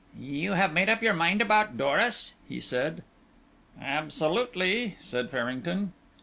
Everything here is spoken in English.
"You have made up your mind about Doris?" he said. "Absolutely," said Farrington.